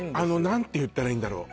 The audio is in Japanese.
何て言ったらいいんだろう